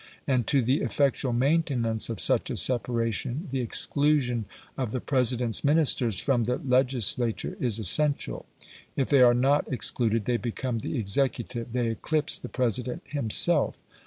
And, to the effectual maintenance of such a separation, the exclusion of the President's Ministers from the legislature is essential. If they are not excluded they become the executive, they eclipse the President himself.